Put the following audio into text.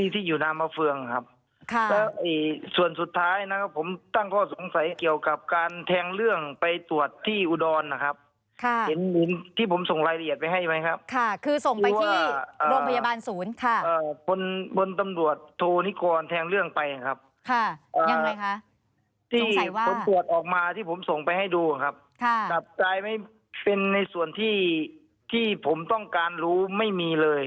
ที่ผมต้องการรู้ไม่มีเลยนึกเหรอไหมครับ